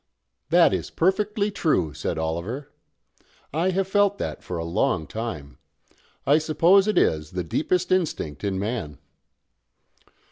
"That is perfectly true," said Oliver. "I have felt that for a long time. I suppose it is the deepest instinct in man."